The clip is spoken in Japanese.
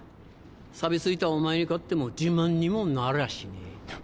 さび付いたお前に勝っても自慢にもなりゃしねえ。